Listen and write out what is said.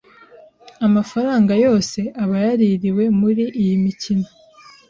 amafaranga yose aba yaririwe muri iyi mikino.